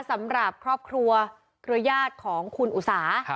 สำหรับครอบครัวเครือญาติของคุณอุสา